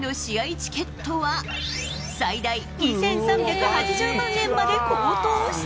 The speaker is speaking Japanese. チケットは、最大２３８０万円まで高騰した。